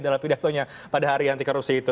dalam pidatonya pada hari anti korupsi itu